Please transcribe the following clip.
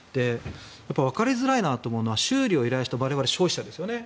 わかりづらいなと思うのは修理を依頼した我々、消費者ですよね。